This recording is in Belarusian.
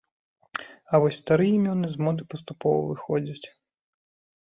А вось старыя імёны з моды паступова выходзяць.